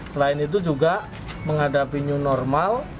selain itu juga menghadapi new normal